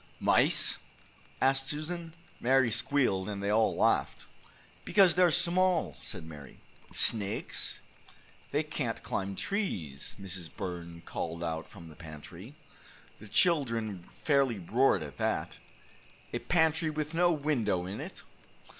"Mice?" asked Susan. Mary squealed, and they all laughed. "Because they're small," said Mary. "Snakes?" "They can't climb trees," Mrs. Burns called out from the pantry. The children fairly roared at that. "A pantry with no window in it?"